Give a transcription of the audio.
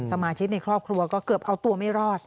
สมาชิกในครอบครัวก็เกือบเอาตัวไม่รอด